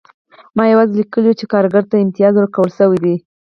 ما یوازې لیکلي وو چې کارګر ته امتیاز ورکړل شوی دی